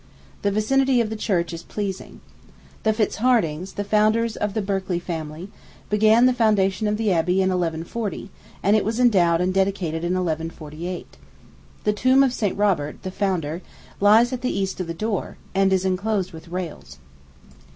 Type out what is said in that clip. The vicinity of the church is pleasing. The Fitzhardings, the founders of the Berkeley family, began the foundation of the abbey in 1140, and it was endowed and dedicated in 1148. The tomb of Sir Robert, the founder, lies at the east of the door, and is enclosed with rails.